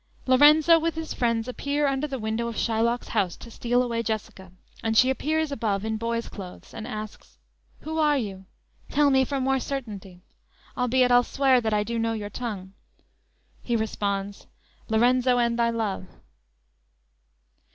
"_ Lorenzo with his friends appear under the window of Shylock's house to steal away Jessica, and she appears above in boy's clothes, and asks: "Who are you? Tell me for more certainty, Albeit, I'll swear that I do know your tongue." He responds: _"Lorenzo and thy love."